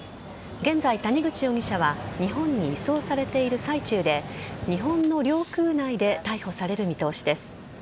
現在、谷口容疑者は日本に移送されている最中で日本の領空内で逮捕される見通しです。